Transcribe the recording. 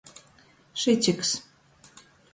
Šitiks.